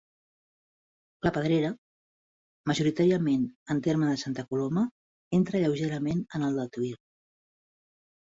La pedrera, majoritàriament en terme de Santa Coloma, entra lleugerament en el de Tuïr.